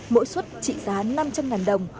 mỗi xuất trị giá năm trăm linh đồng